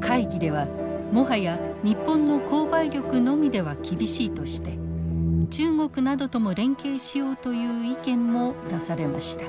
会議ではもはや日本の購買力のみでは厳しいとして中国などとも連携しようという意見も出されました。